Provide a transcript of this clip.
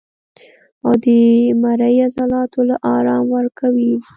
او د مرۍ عضلاتو له ارام ورکوي